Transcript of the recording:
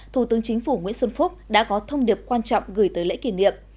thủ tướng chính phủ nguyễn xuân phúc đã có thông điệp quan trọng gửi tới lễ kỷ niệm